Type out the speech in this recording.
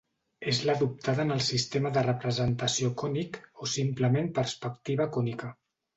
És l'adoptada en el sistema de representació cònic, o simplement perspectiva cònica.